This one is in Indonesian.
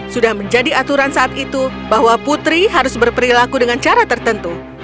sudah menjadi aturan saat itu bahwa putri harus berperilaku dengan cara tertentu